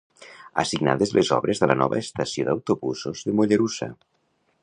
Assignades les obres de la nova estació d'autobusos de Mollerussa.